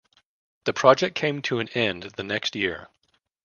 The project came to an end the next year.